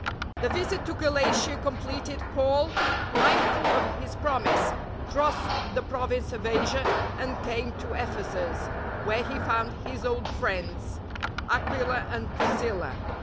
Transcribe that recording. The visit to Galatia completed, Paul, mind ful of his promisCj crossed the Province of Asia and came to Ephesus, where he found his old friends, Aquila and Priscilla.